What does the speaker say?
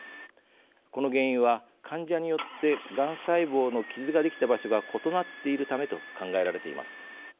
この原因は、患者によってがん細胞の傷ができた場所が異なっているためと考えられています。